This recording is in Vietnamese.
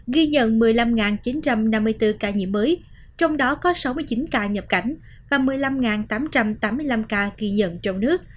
ghi nhận một mươi năm chín trăm năm mươi bốn ca nhiễm mới trong đó có sáu mươi chín ca nhập cảnh và một mươi năm tám trăm tám mươi năm ca ghi nhận trong nước